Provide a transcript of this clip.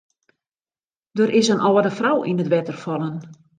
Der is in âlde frou yn it wetter fallen.